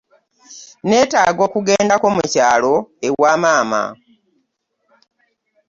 nneetaaga okugendako mu kyalo ewa maama.